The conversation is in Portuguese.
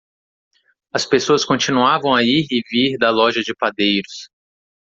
As pessoas continuavam a ir e vir da loja de padeiros.